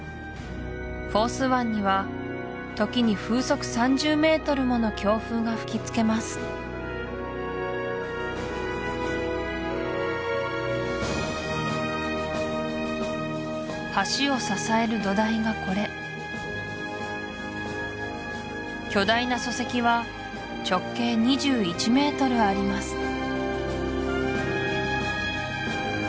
フォース湾には時に風速３０メートルもの強風が吹きつけます橋を支える土台がこれ巨大な礎石は直径２１メートルあります